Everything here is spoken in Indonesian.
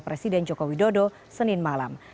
presiden joko widodo senin malam